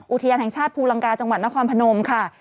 อุทยานแห่งชาติภูลังกาจังหวัดนครพนมค่ะ